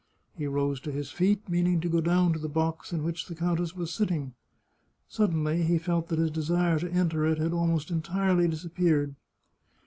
" He rose to his feet, meaning to go down to the box in which the countess was sitting. Suddenly he felt that his desire to enter it had almost entirely disappeared.